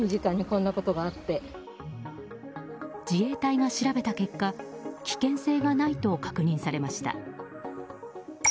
自衛隊が調べた結果危険性がないと確認されました。